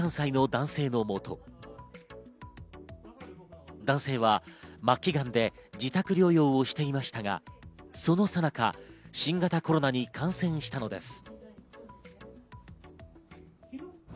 男性は末期がんで自宅療養をしていましたが、そのさなか新型コロナに感染したのです。